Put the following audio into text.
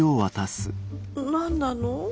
何なの？